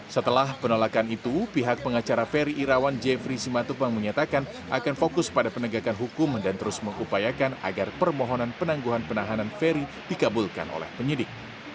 setelah penolakan itu pihak pengacara ferry irawan jeffrey simatupang menyatakan akan fokus pada penegakan hukum dan terus mengupayakan agar permohonan penangguhan penahanan ferry dikabulkan oleh penyidik